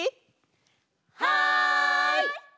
はい！